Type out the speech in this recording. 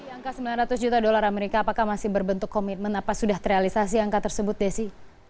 angka sembilan ratus juta dolar amerika apakah masih berbentuk komitmen apa sudah terrealisasi angka tersebut desi